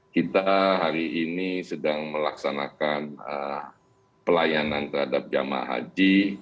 kita hari ini sedang melaksanakan pelayanan terhadap jamaah haji